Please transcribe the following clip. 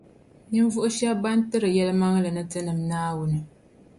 Ninvuɣu shεba ban tiri yεlimaŋli ni Tinim’ Naawuni